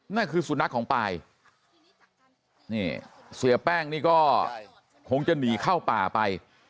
นั่นคือสุนัขของปายนี่เสียแป้งนี่ก็คงจะหนีเข้าป่าไป